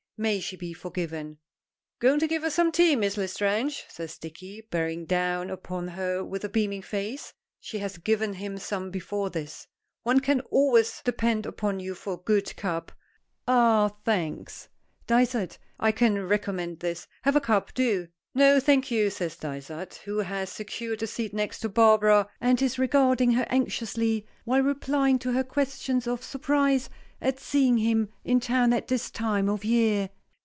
May she be forgiven! "Going to give us some tea, Miss L'Estrange?" says Dicky, bearing down upon her with a beaming face. She has given him some before this. "One can always depend upon you for a good cup. Ah, thanks. Dysart, I can recommend this. Have a cup; do." "No, thank you," says Dysart, who has secured a seat next to Barbara, and is regarding her anxiously, while replying to her questions of surprise at seeing him in town at this time of year.